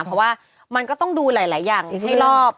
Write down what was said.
เพราะว่ามันก็ต้องดูหลายอย่างให้รอบ